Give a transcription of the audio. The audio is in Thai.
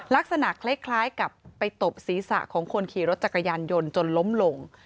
ลักษณะคล้ายกับไปตบศีรษะของคนขี่รถจักรยานยนต์จนล้มลง